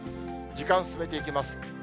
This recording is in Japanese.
時間進めていきます。